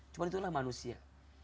cuma itulah manusia